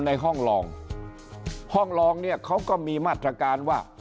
ในห้องลองห้องลองเนี่ยเขาก็มีมาตรการว่า